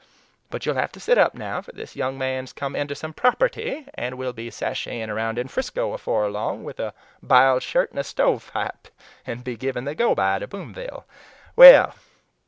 But you'll have to sit up now, for this young man's come inter some property, and will be sasheying round in 'Frisco afore long with a biled shirt and a stovepipe, and be givin' the go by to Boomville. Well!